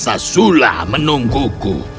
raksasa sulit menungguku